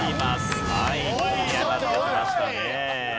一気に上がってきましたね。